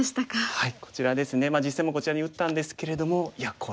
はい。